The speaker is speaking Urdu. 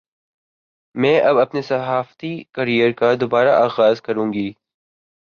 میں اب اپنے صحافتی کیریئر کا دوبارہ آغاز کرونگی